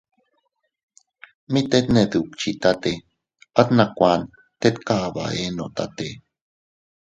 Mit tet ne dukchitate, at nakuan tet kaba eenotate.